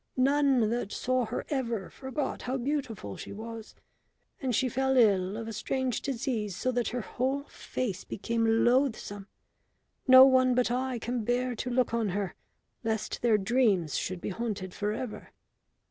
None that saw her ever forgot how beautiful she was. And she fell ill of a strange disease so that her whole face became loathesome. No one but I can bear to look on her, lest their dreams should be haunted for ever."